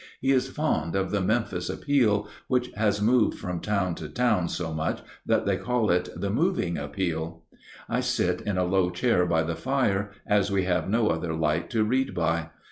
He is fond of the "Memphis Appeal," which has moved from town to town so much that they call it the "Moving Appeal." I sit in a low chair by the fire, as we have no other light to read by.